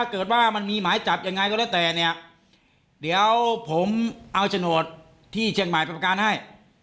เกิดว่ามันมีหมายจับยังไงก็แล้วแต่เนี่ยเดี๋ยวผมเอาโฉนดที่เชียงใหม่ไปประการให้